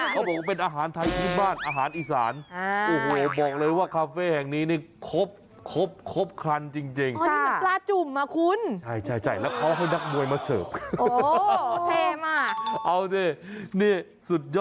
เจอกระสอบซ้ายเป็นเมื่อสักครู่แล้วต้องไปหานัวมาต่อยด้วย